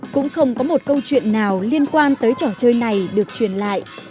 cũng không có một câu chuyện nào liên quan tới trò chơi này được truyền lại